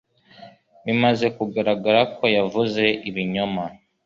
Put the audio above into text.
Bimaze kugaragara ko yavuze ibinyoma.